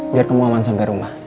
biar kamu aman sampe rumah